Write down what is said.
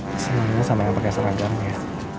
pesennya sama yang pake seragam ya